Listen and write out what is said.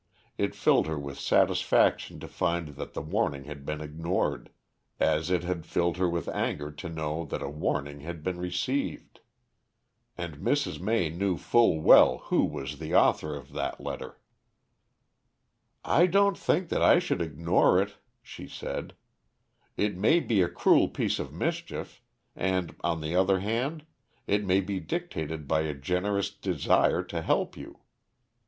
It filled her with satisfaction to find that the warning had been ignored, as it had filled her with anger to know that a warning had been received. And Mrs. May knew full well who was the author of that letter. "I don't think that I should ignore it," she said. "It may be a cruel piece of mischief; and, on the other hand, it may be dictated by a generous desire to help you.